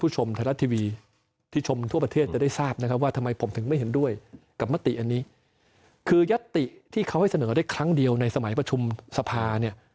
ช่เควล์ให้เสนอได้ครั้งเดียวในสมัยประชุมสภา